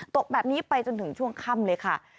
ตกแบบนี้ไปจนถึงช่วงค่ำเลยค่ะ